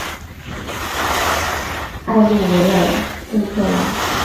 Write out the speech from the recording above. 埃鲁维尔圣克莱。